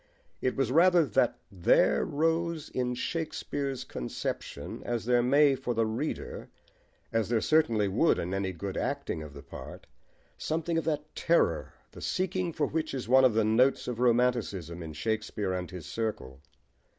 It was rather that there rose in Shakespeare's conception, as there may for the reader, as there certainly would in any good acting of the part, something of that terror, the seeking for which is one of the notes of romanticism in Shakespeare and his circle.